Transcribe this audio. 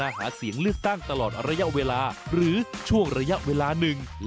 ผู้ช่วยหาเสียงต้องเป็นผู้ที่มีสิทธิ์เลือกตั้งมีอายุ๑๘นาทีและเป็นผู้ช่วยหาเสียงที่ได้แจ้งรายละเอียดหน้าที่